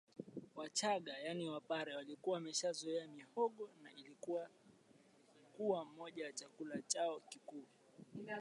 Wachagga yaani Wapare walikuwa wameshazoea mihogo na ilikuja kuwa moja ya chakula chao kikuu